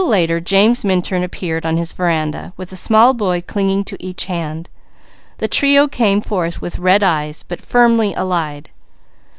Later James Minturn appeared on his veranda with a small boy clinging to each hand. The trio came forth with red eyes, but firmly allied.